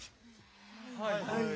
はい。